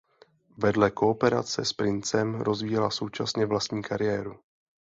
Vedle kooperace s Princem rozvíjela současně vlastní kariéru.